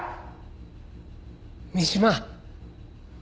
三島。